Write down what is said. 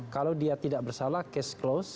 kalau dia tidak bersalah case closed